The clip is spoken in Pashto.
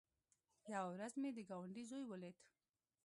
يوه ورځ مې د گاونډي زوى وليد.